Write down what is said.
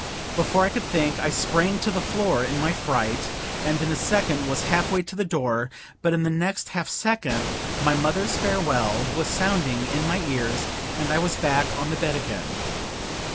Before I could think, I sprang to the floor in my fright, and in a second was half way to the door; but in the next half second my mother's farewell was sounding in my ears, and I was back on the bed again.